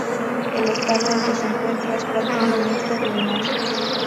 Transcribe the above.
El estado en que se encuentra es prácticamente ruinoso.